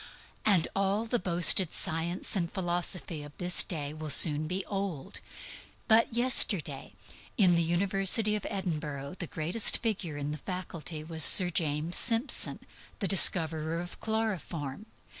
And all the boasted science and philosophy of this day will soon be old. In my time, in the university of Edinburgh, the greatest figure in the faculty was Sir James Simpson, the discoverer of chloroform.